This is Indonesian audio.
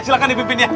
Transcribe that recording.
silahkan dipimpin ya